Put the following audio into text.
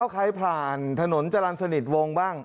ใครผ่านถนนจรรย์สนิทวงบ้าง